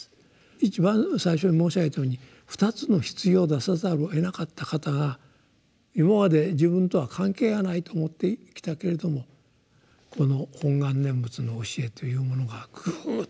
一番最初に申し上げたように２つの棺を出さざるをえなかった方が「今まで自分とは関係がないと思ってきたけれどもこの本願念仏の教えというものがグーッと近くなってきた」と言うんですね。